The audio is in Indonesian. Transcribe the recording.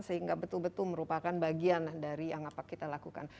sehingga betul betul merupakan bagian dari yang apa kita lakukan